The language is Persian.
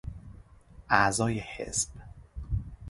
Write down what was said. اعضای حزب